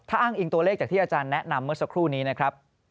อ้างอิงตัวเลขจากที่อาจารย์แนะนำเมื่อสักครู่นี้นะครับ